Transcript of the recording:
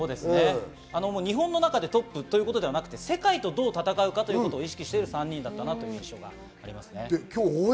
日本の中でトップということではなくて、世界とどう戦うかを意識している３人だという印象があります。